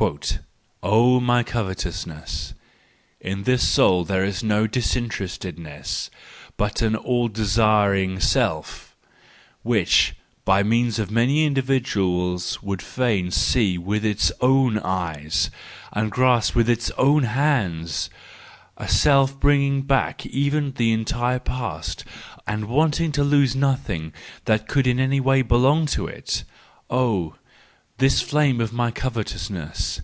—" Oh, my covetousness ! In this soul there is no disinterested¬ ness—but an all desiring self, which, by means of many individuals, would fain see as with its own eyes, and grasp as with its own hands—a self bringing back even the entire past, and wanting to lose nothing that could in any way belong to it! Oh, this flame of my covetousness!